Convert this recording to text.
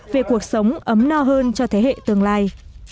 về cuộc sống ấm no hơn cho thế hệ tương lai